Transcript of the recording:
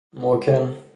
موکن